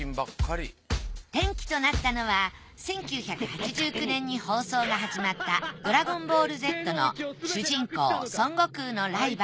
転機となったのは１９８９年に放送が始まった『ドラゴンボールＺ』の主人公